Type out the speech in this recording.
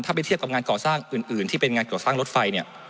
ถ้าไปเทียบกับงานก่อสร้างอื่นที่เป็นงานก่อสร้างรถไฟเนี่ย